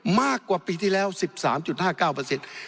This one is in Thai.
มากกว่าปีที่แล้ว๑๓๕๙เปอร์เซ็นต์